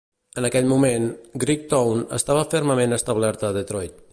En aquell moment, Greektown estava fermament establerta a Detroit.